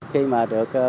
khi mà được